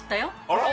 あら？